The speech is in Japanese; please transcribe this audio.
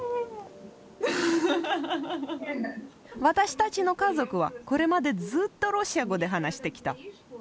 私たちの家族はこれまでずっとロシア語で話してきた。